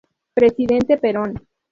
Presidente Perón.